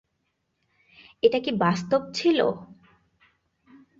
এটা কি বাস্তব ছিল?